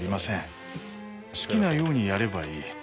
好きなようにやればいい。